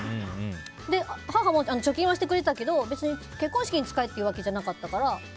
母も貯金はしてくれていたけど別に、結婚式に使えっていうわけじゃなかったから。